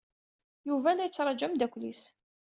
Yuba la yettṛaju ameddakel-is.